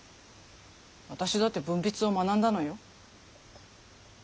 私だって文筆を学んだのよ。